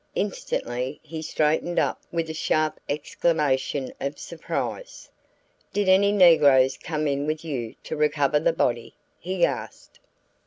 Instantly he straightened up with a sharp exclamation of surprise. "Did any negroes come in with you to recover the body?" he asked.